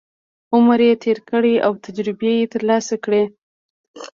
عمر یې تېر کړی او تجربې یې ترلاسه کړي.